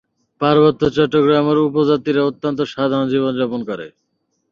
পার্বত্য চট্টগ্রামের উপজাতিরা অত্যন্ত সাধারণ জীবন যাপন করে।